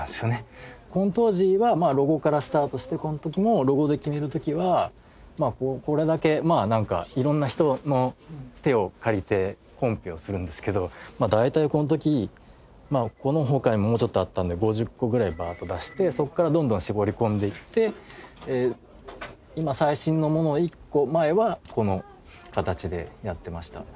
この当時はロゴからスタートしてこの時もロゴで決める時はこれだけまあなんか色んな人の手を借りてコンペをするんですけど大体この時この他にももうちょっとあったんで５０個ぐらいバーッと出してそこからどんどん絞り込んでいって今最新のものの１個前はこの形でやってました。